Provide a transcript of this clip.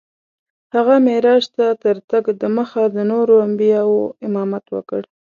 هغه معراج ته تر تګ دمخه د نورو انبیاوو امامت وکړ.